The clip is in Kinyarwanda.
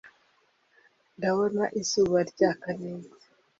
Ndabona izuba ryaka neza